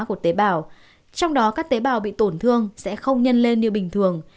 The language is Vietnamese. của tế bào trong đó các tế bào bị tổn thương sẽ không nhân lên như bình thường